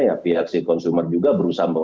ya pihak si konsumer juga berusaha